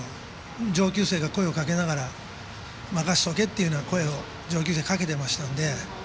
上級生が声をかけながら任せとけっていう声を上級生、かけてましたので。